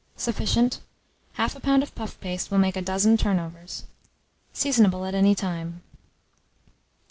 Sufficient 1/2 lb. of puff paste will make a dozen turnovers. Seasonable at any time.